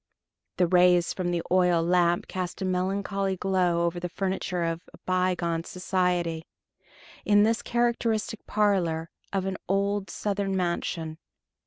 The rays from the oil lamp cast a melancholy glow over the furniture of a bygone society, in this characteristic parlor of an old Southern mansion.